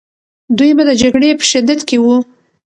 دوی به د جګړې په شدت کې وو.